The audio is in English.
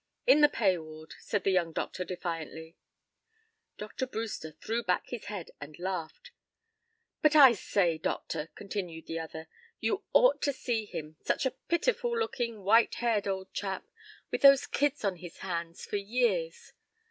"In the pay ward," said the young doctor, defiantly. Dr. Brewster threw back his head and laughed. "But, I say, doctor," continued the other, "you ought to see him, such a pitiful looking, white haired, old chap, with those kids on his hands for years.